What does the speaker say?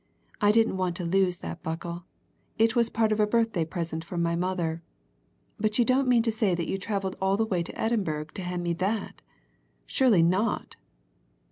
I didn't want to lose that buckle it was part of a birthday present from my mother. But you don't mean to say that you travelled all the way to Edinburgh to hand me that! Surely not?"